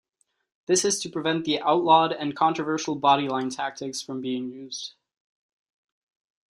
This is to prevent the outlawed and controversial bodyline tactics from being used.